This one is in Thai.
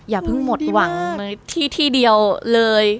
อย่าเพิ่งหมดหวังที่ที่เดียวเลย